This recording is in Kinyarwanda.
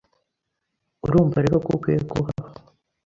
Urumva rero ko ukwiye kuhaba